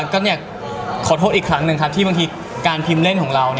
ก็อยากขอโทษอีกครั้งหนึ่งครับที่บางทีการพิมพ์เล่นของเรา